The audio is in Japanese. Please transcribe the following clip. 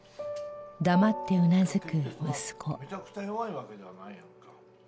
黙ってうなずく息子。